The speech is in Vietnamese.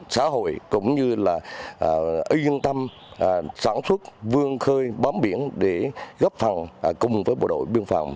xã hội cũng như là yên tâm sản xuất vương khơi bám biển để gấp phẳng cùng với bộ đội biên phòng